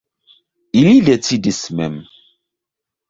Ili decidis mem.